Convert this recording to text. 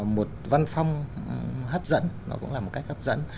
một văn phong hấp dẫn nó cũng là một cách hấp dẫn